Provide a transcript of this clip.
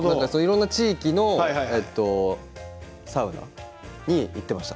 いろんな地域のサウナに行ってきました。